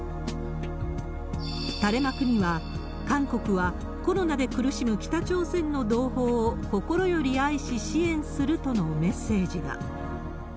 垂れ幕には、韓国はコロナで苦しむ北朝鮮の同胞を心より愛し、支援するとのメッセージが。